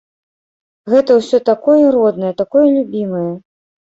Гэта ўсё такое роднае, такое любімае.